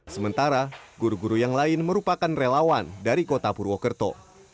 sementara guru guru yang lain merupakan relawan dari kota purwokerto